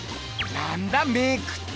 何だメークって。